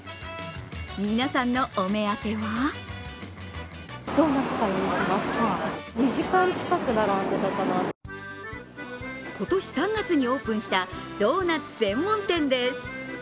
皆さんのお目当ては今年３月にオープンしたドーナツ専門店です。